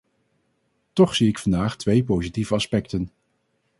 Toch zie ik vandaag twee positieve aspecten.